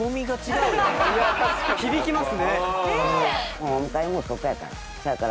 もうお迎えもそこやから。